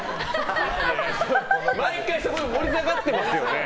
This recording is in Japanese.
毎回そこで盛り下がってますよね。